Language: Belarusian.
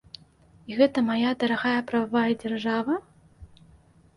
І гэта мая дарагая прававая дзяржава?